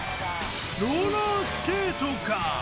ローラースケートか？